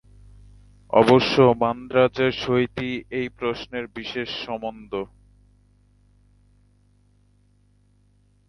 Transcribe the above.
অবশ্য মান্দ্রাজের সহিতই এই প্রশ্নের বিশেষ সম্বন্ধ।